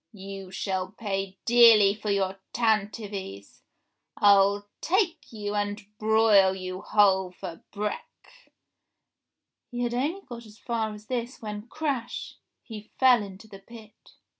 You shall pay dearly for your tantivys, I'll take you and broil you whole for break —" He had only got as far as this when crash — he fell into the pit